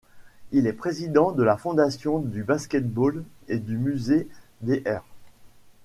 Il est président de la fondation du basket-ball et du musée Dr.